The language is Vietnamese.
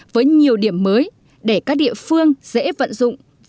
với nhiều điểm mới để các địa phương dễ vận dụng